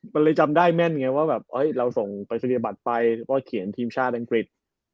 มันเลยจำได้แม่นไงว่าเราส่งไฟเซียบัตรไปเขียนทีมชาติอังกฤษ